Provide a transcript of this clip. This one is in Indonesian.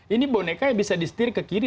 ini boneka yang bisa disetir ke kiri